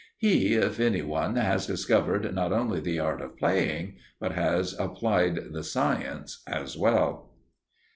He, if any one, has discovered not only the art of playing, but has applied the science as well!